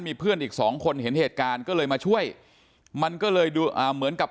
มีเพื่อนอีกสองคนเห็นเหตุการณ์ก็เลยมาช่วยมันก็เลยดูอ่าเหมือนกับ